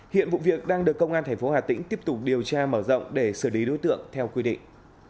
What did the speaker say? hiện vụ việc đang được công an tp hà tĩnh tiếp tục điều tra mở rộng để xử lý đối tượng theo quy định